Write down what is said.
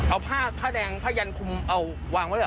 เอาผ้าแดงผ้ายันคุมเอาวางไว้